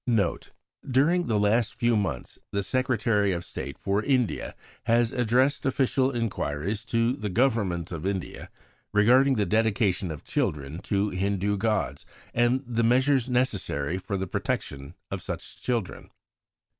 NOTE During the last few months the Secretary of State for India has addressed official inquiries to the Government of India regarding the dedication of children to Hindu gods, and the measures necessary for the protection of such children.